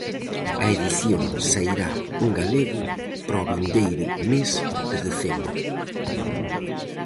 A edición sairá en galego para o vindeiro mes de decembro.